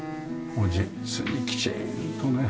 実にきちんとね。